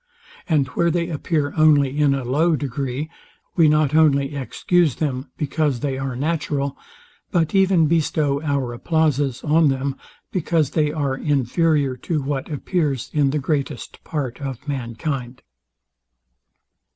And where they appear only in a low degree, we not only excuse them because they are natural; but even bestow our applauses on them, because they are inferior to what appears in the greatest part of mankind.